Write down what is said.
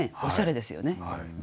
おしゃれですよね。